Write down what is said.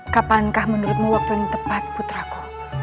kapankah menurutmu waktu yang tepat putraku